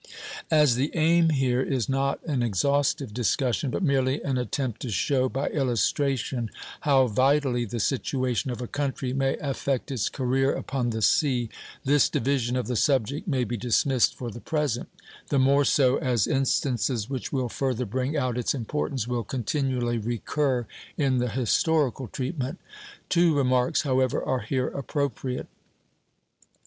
As the aim here is not an exhaustive discussion, but merely an attempt to show, by illustration, how vitally the situation of a country may affect its career upon the sea, this division of the subject may be dismissed for the present; the more so as instances which will further bring out its importance will continually recur in the historical treatment. Two remarks, however, are here appropriate.